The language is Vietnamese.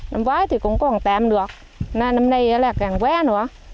năm vái thì cũng còn tạm được năm nay là càng quen nữa